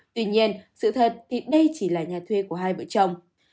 tuy nhiên sự thật thì đây chỉ là nhà thuê của hai vợ chồng